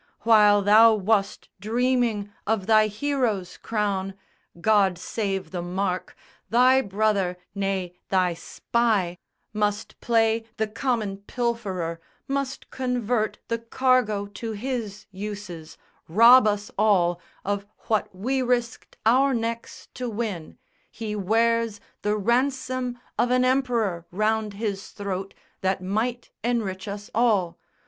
While thou wast dreaming of thy hero's crown God save the mark! thy brother, nay, thy spy, Must play the common pilferer, must convert The cargo to his uses, rob us all Of what we risked our necks to win: he wears The ransom of an emperor round his throat That might enrich us all.